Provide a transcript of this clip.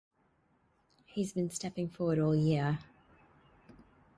He has been stepping forward all year.